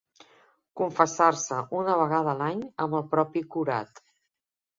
Confessar-se una vegada l'any amb el propi curat.